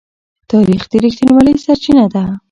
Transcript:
تاریخ د رښتینولۍ سرچینه ده.